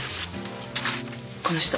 この人。